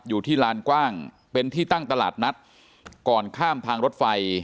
อยู่ที่ลานกว้างเป็นที่ตั้งตลาดนัดก่อนข้ามทางรถไฟ